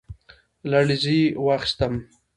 لـړزې واخيسـتم ،